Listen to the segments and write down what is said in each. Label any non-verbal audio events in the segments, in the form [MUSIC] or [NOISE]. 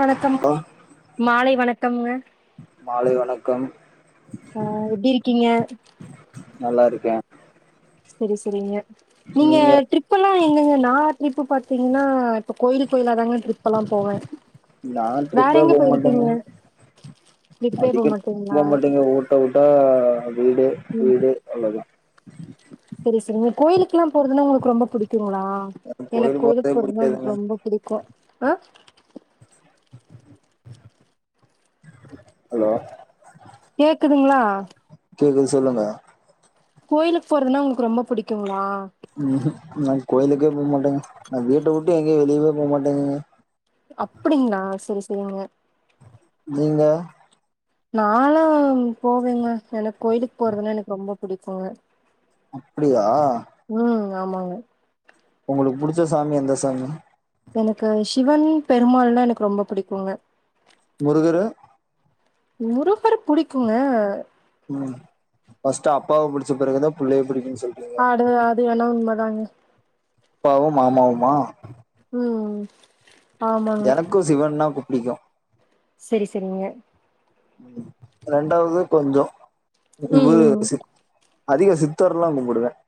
வணக்கம் மாலை வணக்கம்ங்க. மாலை வணக் அ எப்டிருக்கீங்க? நல்லாருக்கே. செரி செரிங்க நீங்க ட்ரிப் எல்லா எங்கங்க நா ட்ரிப்பு பாத்தீங்ன்னா இப்ப கோயில் கோயிலாதாங்க ட்ரிப் எல்லா போவே. நா வேற எங்க போயிருக்கீங்க? ட்ரிப்பே போ அதிகோ [INAUDIBLE] மாட்டீங்களா போமாட்டேங்க ஊட்ட உட்டா வீடு வீடு அவ்ளோதா. செரி செரிங்க கோயிக்குலா போறதுன்னா உங்குளுக்கு ரொம்ப புடிக்குங்களா? எனக்கு எனக் கோயில் கோயிலுக்கு போறதே போறதுன்னா புடிக்காதுங்க எனக்கு ரொம்ப பிடிக்கு அ ஹலோ? கேக்குதுங்ளா? கேக்குது சொல்லுங்க. கோயிலுக்கு போறதுன்னா உங்குளுக்கு ரொம்ப புடிக்குங்களா? ம்ஹு நா கோயிலுக்கே போமாட்டங்க நா வீட்ட விட்டு எங்கியு வெளியவே போக மாட்டங்கங்க. அப்பிடிங்ளா செரி செரிங்க. நீங்க? நாலா போவேங்க எனக் கோயிலுக் போறதுன்னா எனக் ரொம்ப புடிக்குங்க. அப்டியா ம் ஆமாங்க உங்களுக்கு புடிச்ச சாமி எந்த சாமி எனக்கு சிவன் பெருமாள்லா எனக்கு ரொம்ப புடிக்குங்க முருகரு முருகர் புடிக்குங்க ம் ஃபஸ்ட்டு அப்பாவ புடிச்ச பிறகுதா புள்ளைய புடிக்குன் சொல் ஆடு அ அது வேனா உண்ம தாங்க அப்பாவும் மாமாவுமா ம் ஆமாங்க எனக்கு சிவன்னா புடிக்கும் செரி செரிங்க ம் ரெண்டாவது கொஞ்சோ ம் ம் முருகர் சி அதிக சித்தர்ல்லா கும்புடுவேன்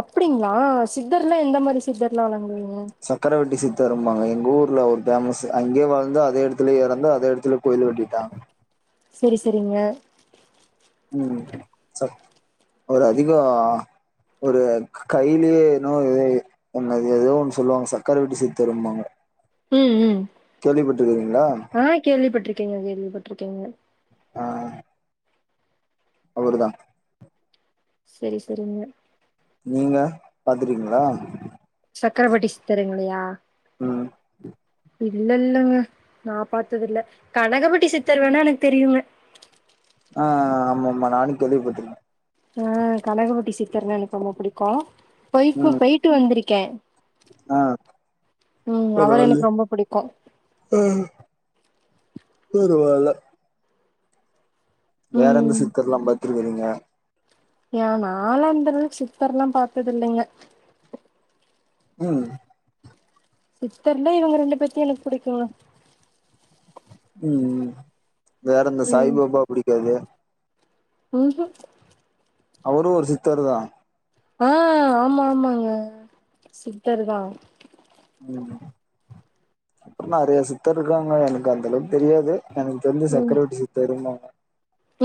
அப்டிங்களா சித்தர்னா எந்த மாரி சித்தர்ல்லா எல்லா கும்டுவீங்க சக்கரவட்டி சித்தருபாங்க எங்க ஊர்ல அவரு பேமஸ் அங்கே வளந்து அதே இடத்துலயே இறந்து அதே இடத்துலே கோயில் கட்டிட்டா சேரி சேரிங்க ம் சத் ஒரு அதிகம் ஒரு கையிலயே இன்னொரு வேலு என்ன அது ஏதோ ஒண்ணு சொல்லுவாங்க சக்கரவட்டி சித்தருபாங்க ம் ம் ஆ கேள்விப்பட்டிருக்கேங்க கேள்விப்பட்டிருக்கேங்க ஆ அவுருதா சேரி சேரிங்க நீங்க பாத்துருக்கீங்ளா சக்கர வட்டி சித்தருங்களியா ம் இல்லல்லங்க நா பாத்ததில்ல கனகப்பட்டி சித்தர் வேணா எனக்கு தெரியுங்க ஆ ஆ ஆமா ஆமா நானு கேள்விப்பட்டுருக்கே ஆ கனகப்பட்டி சித்தர்னா எனக்கு ரொம்ப புடிக்கும் போய்ட்டு ம் போய்ட்டு வந்திருக்கேன் ஆ பரவால்ல எனக்கு ரொம்ப புடிக்கு அ பரவால்ல வேற எந்த ம் சித்தர்லா பாத்துருக்றீங்க ஏன் நாலா அந்தளவுக்கு சித்தர்லா பாத்தது இல்லைங்க ம் சித்தர்லே இவங்க ரெண்டு பேர்த்தா எனக்கு புடிக்குங்க ம் ம் வேற இந்த சாய் பாபா புடிக்காதா உஹும் அவுரு ஒரு சித்தர்தா ஆ ஆமா ஆமாங்க சித்தர்தா ம் நறைய சித்தர் இருக்காங்க எனக்கு அந்த அளவுக்கு தெரியாது எனக்கு தெரிஞ்சி ம் சக்கரவட்டி சித்தர்ம்பாங்க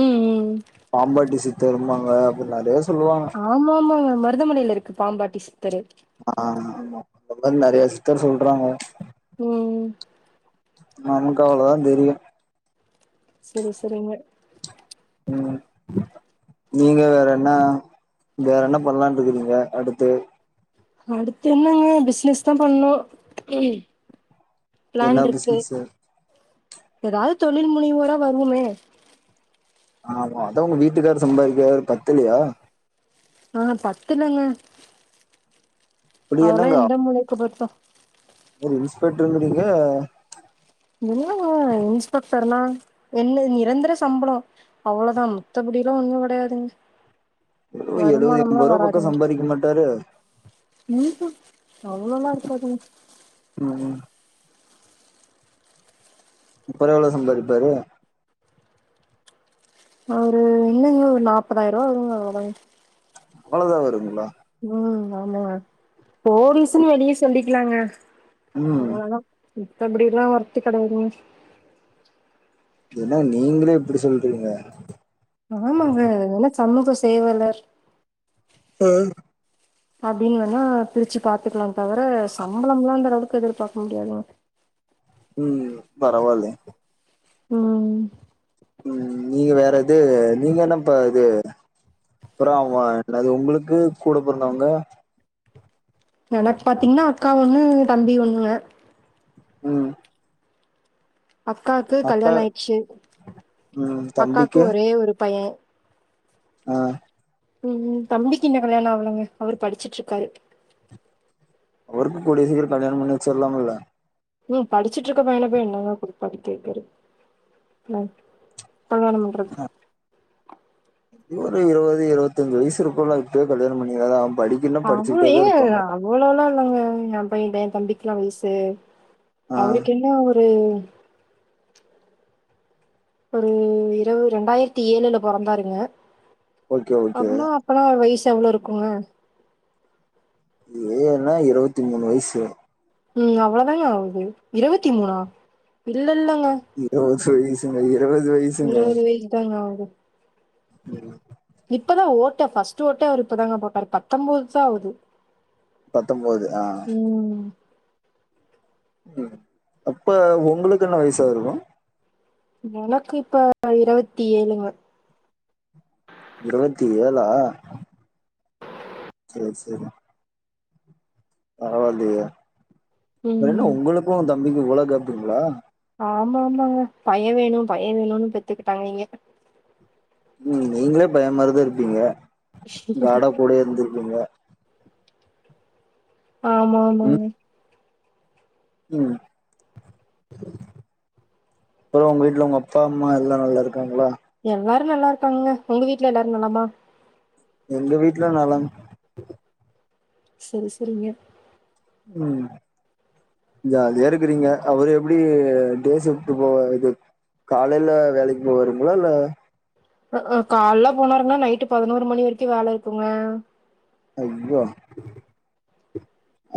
ம் ம் பாம்பாட்டி சித் தரும்பாங்க அப்டின் நறைய சொல்லுவாங்க ஆமா ஆமாங்க மருதமலைலருக்கு பாம்பாட்டி சித்தரு ஆ ஆமா அந்த மாரி நெறைய சித்தர் சொல்றாங்க ம் நமக்கு அவ்வளோதா தெரியு செரி செரிங்க ம் நீங்க வேற என்னா வேற என்ன பண்ணலா இருக்கறீங்க அடுத்து அடுத்து என்னங்க பிசினஸ் தா பண்ணு ம் என்ன பிளான் இருக்கு பிசினஸ் எதாவது தொழில் முனிவோரா வருவோமே ஆமா அதா உங்க வீட்டுக்காரு சம்பாதிக்கறாரு பத்தலயா ஆ பத்தலங்க அப்டி அதெல்லா எந்த மூலைக்கு பத்து அவரு இன்ஸ்பெக்டருனீங்க இல்லங்க இன்ஸ்பெக்டர்னா என்ன நிரந்தர சம்பளோ அவ்ளோதா மித்தபடில்லா ஒன்னு கெடையாதுங்க ஒரு எழுவது வருமானம்லா எம்பது ரூபா பக்க சம்பாதிக்க மாட்டாரு ம்ஹும் அவ்ளோல்லா இருக்காதுங்க ம் அப்றோ எவ்ளோ சம்பாரிப்பாரு அவரு இல்லைங்க ஒரு நாப்பதாயிர ரூவா வருங்க அவ்ளோ தாங்க அவ்ளோதா வருங்கலா ம் ஆமாங்க போலீஸூன் வெளிய சொல்லிக்கலாங்க ம் அவ்ளோதா இப்ப அப்டில்லா வொர்த்து கடையாதுங்க என்ன நீங்களே இப்படி சொல்றீங்க ஆமாங்க என்னா சமூக சேவளர் ஆ அப்டின் வேணா பிரிச்சு பாத்துக்கலா தவர சம்பளம்லா அந்த அளவுக்கு எதிர்பாக்க முடியாதுங்க ம் பரவால்லயே ம் ம் நீங்க வேற எது நீங்க என்னப்ப இது அப்றோ அவங்க உங்களுக்கு கூட பொறந்தவங்க எனக் பாத்தீங்கன்னா அக்கா ஒன்னு தம்பி ஒன்னுங்க ம் அக்காக்கு அக்கா கல்யாண ஆயிச்சு ம் அக்காக்கு தம்பிக்கு ஒரே ஒரு பைய ஆ ம் தம்பிக்கு இன்னு கல்யாணம் ஆவலங்க அவரு படிச்சிட்டு இருக்காரு அவருக்கு கூடிய சீக்கரோ கல்யாணம் பண்ணி வச்சிரலாம்ல உம் படிச்சிட்டு இருக்க பையன போய் என்னங்க போய் படிக்க வைக்கிறது உம் கல்யாணம் பண்றது ஒரு இருவது இருவத்தஞ்சு வயசு இருக்குள்ள இப்பயே கல்யாண பண்ணிங்கனா அவன் படி அவ்ளோ ஏ அவ்ளோலா இல்லங்க என் பைய என் தம்பிக்கெல்லா வயசு ஆ அவருக்கு என்ன ஒரு ஒரு இரவு ரெண்டாயிரத்தி ஏழுல பொறந்தாருங்க ஓகே ஓகே அப்னா அப்பனா வயசு எவ்ளோ இருக்குங்க ஏழுனா இருவத்தி மூணு வயசு ம் அவ்ளதாங்க ஆவுது இருவத்தி மூணா இல்ல இல்லங்க இருவது வயசுங்க இருவது வய இருவது வயசு தாங்க ஆவுது உம் இப்பதா ஓட்ட ஃபர்ஸ்ட்டு ஓட்டே அவரு இப்பதாங்க போட்டாரு பத்தொம்போது தா ஆகுது பத்தொம்போது ஆ ம் ம் அப்ப உங்குளுக்கு என்ன வயசா இருக்கோ எனக்கு இப்ப இருவத்தி ஏழுங்க இருவத்தி ஏழா செரி செரி பரவால்லையே அப்பறோ என்ன ம் உங்குளுக்கு உ தம்பிக்கோ இவ்ளோ கேப்புங்களா ஆமா ஆமாங்க பைய வேணோ பைய வேணோன்னு பெத்துக்கிட்டாங்கிங்க ம் நீங்களே பயமாரிதா இருப்பீங்க இங்க கார்டா கூட இருந்திருப்பீங்க ஆமா ஆமாங்க உம் அப்புறோ உங்க வீட்ல உங்க அப்பா அம்மா எல்லா நல்லா இருக்காங்களா எல்லாரு நல்லா இருக்காங்க உங்க வீட்ல எல்லாரு நலமா எங்க வீட்ல நலம் செரி செரிங்க உம் ஜாலியா இருக்குறீங்க அவரு எப்டி டே ஷிப்ட்டு போவா இது காலைல வேலைக்கு போவாருங்களா இல்ல ம் கால்ல போனாருங்கன்னா நைட்டு பதினோரு மணி வரிக்கோ வேல இருக்குங்க ஐய்யோ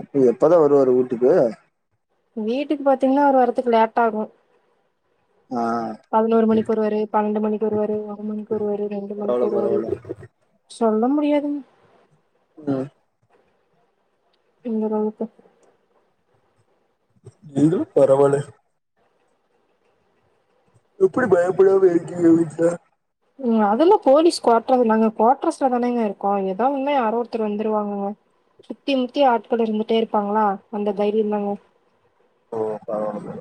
அப்போ எப்பதா வருவாரு வீட்டுக்கு வீட்டுக்கு பாத்தீங்கன்னா அவரு வர்த்துக்கு லேட் ஆகோ அ பதினோரு மணிக்கு வருவாரு பன்னெண்டு மணிக்கு வருவாரு ஒரு மணிக்கு வருவாரு ரெண்டு பரவால்ல மணிக்கு வருவாரு பரவால்ல சொல்ல முடியாதுங்க உம் இந்த காலத்து அப்புடி நீடு பரவாலே எப்டி பயப்படாம இருக்கீங்க வீட்ல ம் அதெல்லா போலீஸ் க்வாட்டர்ஸ் தாங்க குவாட்ரஸ்ல தானங்க இக்கோ எதா ஒன்னு யாரோ ஒருத்தர் வந்துருவாங்கங்க சுத்தி முத்தி ஆட்கள் இருந்துட்டே இருப்பாங்களா அந்த தைரியோ தாங்க ஓ பறவால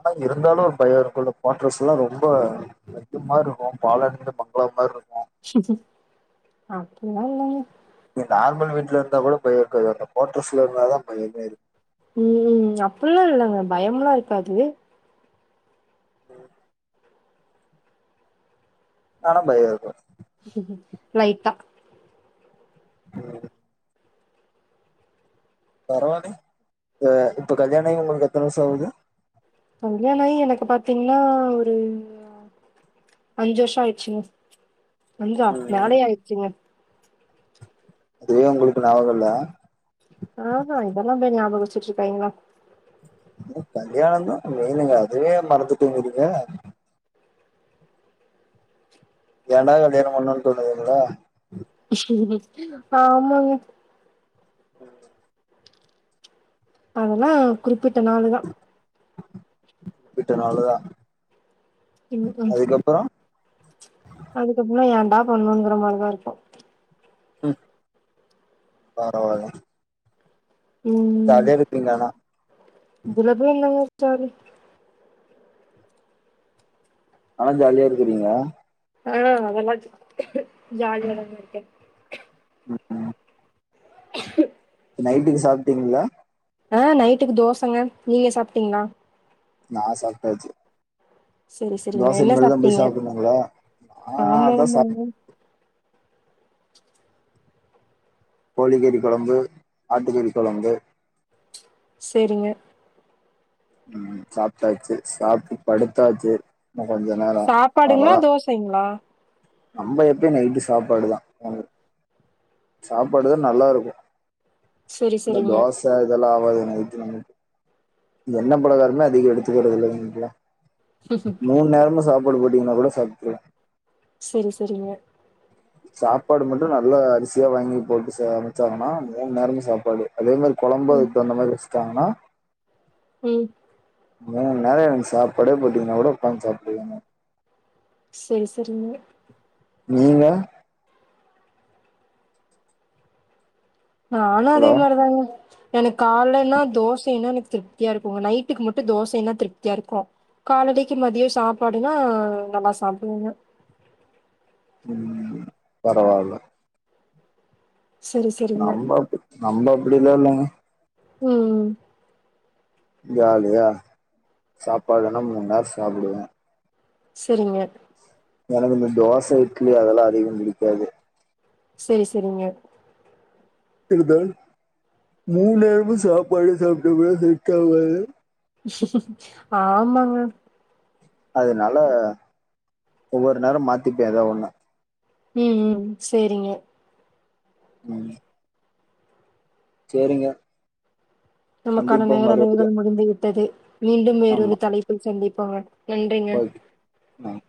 ஆனா இருந்தாலு ஒரு பயோ இருக்கோல கோட்ரஸ் எல்லா ரொம்ப பிளட்ஜ் மாரி இருக்கோ பாலடைஞ்ச பங்ளா மாரி இருக் அப்டிலா இல்லங்க நீ நார்மல் வீட்ல இருந்தா கூட பயோ இருக்காது அந்த கோட்ரஸ்ல இருந்தாதா பயமே இருக் ம் அப்புல்லா இல்லங்க பயம்லா இருக்காது ம் ஆனா பயோ இருக்கோ லைட்டா ம் பரவாலய்ங்க இப்ப இப்போ கல்யாணோ ஆய் உங்குளுக்கு எத்தன வர்ஷோ ஆவுது கல்யாணோ ஆய் எனக்கு பாத்தீங்கன்னா ஒரு அஞ்சு வர்ஷோ ஆய்றுச்சுங்க அஞ்சா நாலே ஆய்றுச்சுங்க அதுவே ஒங்களுக்கு நாபகோ இல்ல ஆஹ இதல்லா போய் நாபகோ வச்சுட்ருப்பாய்ங்களா என்ன கல்யாணந்தா மெயினுங்க அதுவே மறந்துட்டேங்கிறீங்க ஏன்டா கல்யாணோ பண்ணோன் தோணுதுங்களா ஆமங்க ம் அதல்லா குறிப்பிட்ட நாளு தா குறிப்பிட்ட நாளுதா ம் அதுக்கப்பறோ அதுக்கப்பறோலா ஏன்டா பண்ணோங்குர மாரிதா இருக்கு ம் பரவால்ல ஜாலியா இருப்பிங்க ஆனா துர்கைன்லதா இருக்காரு ஆனா ஜாலியா இருக்குறீங்க ஆ அதலா ஜாலியாதாங்க இருக்கே ம் ம் நைட்டுக்கு சாப்ட்டீங்களா ஆ நைட்டுக்கு தோசங்க நீங்க சாப்டீங்களா நா சாப்டாச்சு சரி சரிங்க. தோச என்ன இனிமேல்தா போய் சாப்ட்டீங்க? சாப்பனுங்களா ஆ ஆமா அதா ஆமாங்க. சாப் கோழிக்கறி கொழம்பு ஆட்டுக்கறி கொழம்பு சேரிங்க ம் சாப்ட்டாச்சு சாப்ட்டு படுத்தாச்சு இன்னு கொஞ்ச நேரோ அவ்ளோதா டைங்களா நம்ம எப்பயு நைட்டு சாப்பாடுதா சாப்பாடுதா நல்லாருக்கு சரி இந்த சரிங்க. தோச இதல்லா ஆவாது நைட்டு நமக்கு எண்ண பலகாரமே அதிகொ எடுத்துக்குறது இல்ல இங்குட்லா மூண் நேரமு சாப்பாடு போட்டிங்கனா கூட சாப்ட்ருவே செரி செரிங்க சாப்பாடு மட்டு நல்ல அரிசியா வாங்கி போட்டு சமச்சாங்கன்னா மூண் நேரமு சாப்பாடு அதே மாரி கொழம்பு ம் அதுக் தகுந்த மாரி வஸ்ட்டாங்கனா ம் மூண் நேரோ எனக்கு சாப்பாடே போட்டீங்னா கூட உக்காந்து சாப்டுவே நானு செரி செரிங்க நீங்க நானு அதே ஹலோ மாரிதாங்க எனக்கு கால்லன்னா தோசைன்னா எனக்கு திருப்தியா இருக்குங்க நைட்டுக்கு மட்டு தோசைன்னா திருப்தியா இருக்கு காலலைக்கு மதியொ சாப்பாடுனா நல்லா சாப்டுவங்க ம் பரவால்ல சரி சரிங்க நம்ம அப்டி நம்ம அப்டிலா இல்லங்க ம் ஜாலியா சாப்பாடுனா மூண் நேரோ சாப்டுவே செரிங்க எனக்கு இந்த தோச இட்லி அதல்லா அதிகோ புடிக்காது சேரி சேரிங்க மூணேரம சாப்பாடு சாப்பிட்டு [UNINTELLIGIBLE] ஆமாங்க அதுனால ஒவ்வொரு நேரோ மாத்திப்பே ஏதா ஒண்ண உ உ சேரிங்க உ சேரிங்க நமக்கான நேரளவுகல் மறுபடியும் முடிந்து விட்டது மீண்டு வேறொரு தலைப்பில் சந்திப்போங்க நன்றிங்க ஓ ஆ பாய்